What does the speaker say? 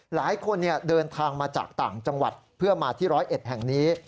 หลายคนเดินทางมาจากต่างจังหวัดเพื่อมาที่ร้อยเอ็ดแห่งนี้